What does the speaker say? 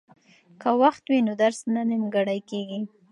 که وخت وي نو درس نه نیمګړی کیږي.